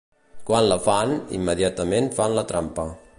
Quan la fan, immediatament fan la trampa.